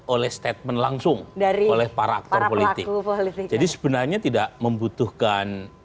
oleh statement langsung dari oleh para aktor politik jadi sebenarnya tidak membutuhkan